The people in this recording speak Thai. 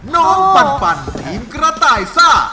น้องปันทีมกระต่ายซ่า